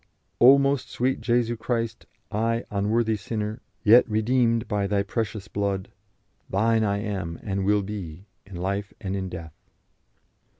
"O most sweet Jesu Christ, I, unworthy sinner, yet redeemed by Thy precious blood.... Thine I am and will be, in life and in death."